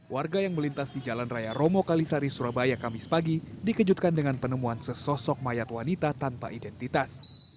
warga yang melintas di jalan raya romo kalisari surabaya kamis pagi dikejutkan dengan penemuan sesosok mayat wanita tanpa identitas